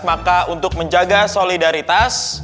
maka untuk menjaga solidaritas